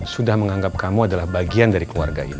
sudah menganggap kamu adalah bagian dari keluarga ini